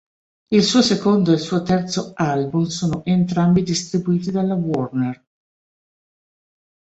Il suo secondo e il suo terzo album sono entrambi distribuiti dalla Warner.